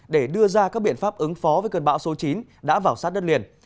để đưa ra các biện pháp ứng phó với cơn bão số chín đã vào sát đất liền